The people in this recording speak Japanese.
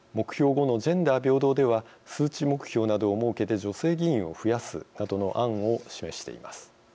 ５の「ジェンダー平等」では数値目標などを設けて女性議員を増やすなどの案を示しています。